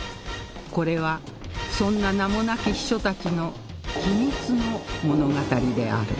これはそんな名もなき秘書たちの秘密の物語である